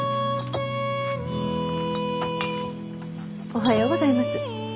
おはようございます。